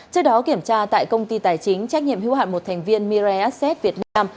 trước đó kiểm tra tại công ty tài chính trách nhiệm hưu hạn một thành viên mireacset việt nam